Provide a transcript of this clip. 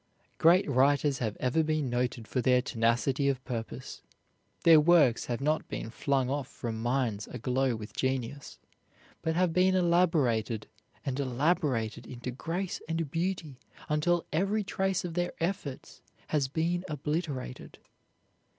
Great writers have ever been noted for their tenacity of purpose. Their works have not been flung off from minds aglow with genius, but have been elaborated and elaborated into grace and beauty, until every trace of their efforts has been obliterated.